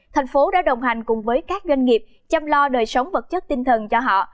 thành phố đã đồng hành cùng với các doanh nghiệp chăm lo đời sống vật chất tinh thần cho họ